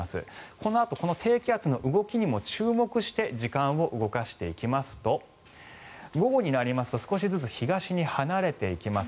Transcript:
このあと低気圧の動きにも注目して時間を動かしていきますと午後になりますと少しずつ東に離れていきます。